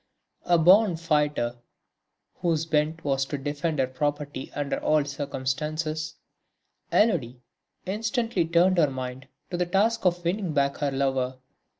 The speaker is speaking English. A born fighter whose bent was to defend her property under all circumstances, Élodie instantly turned her mind to the task of winning back her lover.